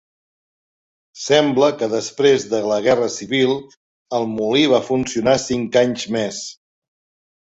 Sembla que després de la guerra civil el molí va funcionar cinc anys més.